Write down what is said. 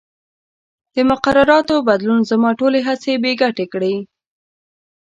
د مقرراتو بدلون زما ټولې هڅې بې ګټې کړې.